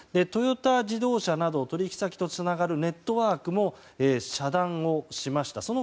トヨタ自動車など取引先とつながるネットワークも遮断をしました。